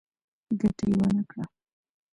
ګټه يې ونکړه.